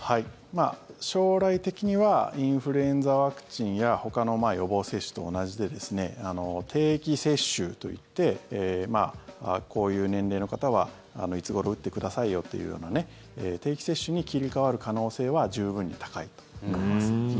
将来的にはインフルエンザワクチンやほかの予防接種と同じで定期接種といってこういう年齢の方はいつごろ打ってくださいよというような定期接種に切り替わる可能性は十分に高いと思います。